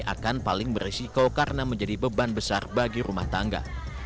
akan paling beresiko karena menjadi beban besar bagi rumah tangga